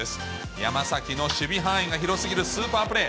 山崎の守備範囲が広すぎるスーパープレー。